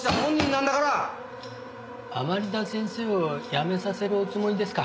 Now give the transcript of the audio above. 甘利田先生を辞めさせるおつもりですか？